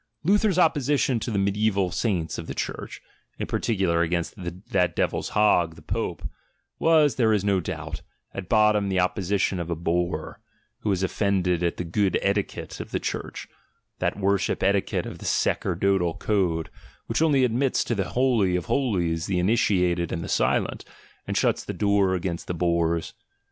Luther's opposition to the medi al saints of the Church (in particular, against "that devil's hog, the Pope"), was, there is no doubt, at bottom the opposition of a boor, who was offended at the good of the Church, that worship etiquette of the sacerdotal code, which only admits to the holy of holies the initiated and the silent, and shuts the door against the boors.